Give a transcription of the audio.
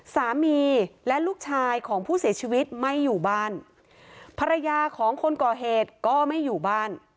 สามีและลูกชายของผู้เสียชีวิตไม่อยู่บ้านภรรยาของคนก่อเหตุก็ไม่อยู่บ้าน